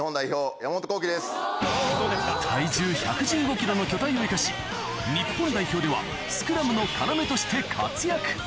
体重１１５ｋｇの巨体を生かし日本代表ではスクラムの要として活躍